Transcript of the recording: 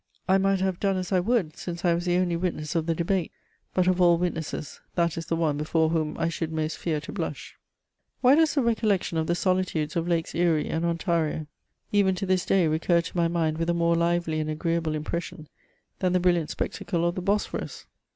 I might have done as I would, since I was the only witness of the debate ; but of all wit nesses, that is the one before whom I should most fear to blush. Why does the recollection of the. solitudes of Lakes Erie and Ontario even to this day recur to my mind with a more lively and agreeable impression than the brimant spectacle of the Bos phorus